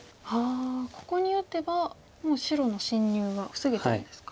ここに打てばもう白の侵入は防げてるんですか。